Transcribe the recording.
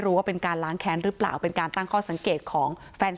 ว่าเป็นการล้างแค้นหรือเปล่าเป็นการตั้งข้อสังเกตของแฟน